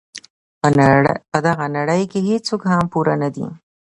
په دغه نړۍ کې هیڅوک هم پوره نه دي.